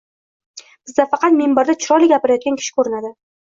Bizga faqat minbarda chiroyli gapirayotgan kishi ko’rinadi